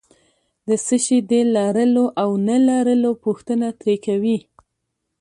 د څه شي د لرلو او نه لرلو پوښتنه ترې کوي.